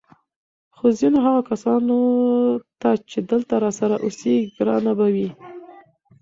خو ځینو هغه کسانو ته چې دلته راسره اوسېږي ګرانه به وي